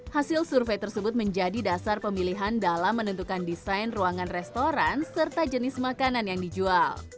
hasil survei tersebut menjadi dasar pemilihan dalam menentukan desain ruangan restoran serta jenis makanan yang dijual